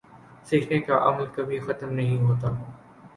سیکھنے کا عمل کبھی ختم نہیں ہوتا